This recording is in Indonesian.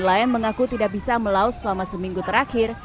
nelayan mengaku tidak bisa melaut selama seminggu terakhir